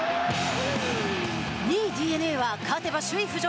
２位ＤｅＮＡは勝てば首位浮上。